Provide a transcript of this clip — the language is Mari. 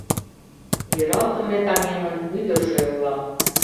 Йӧралтыме таҥемын ӱдыржӧ улам.